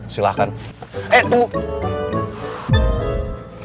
silahkan eh tunggu